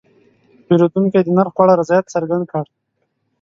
پیرودونکی د نرخ په اړه رضایت څرګند کړ.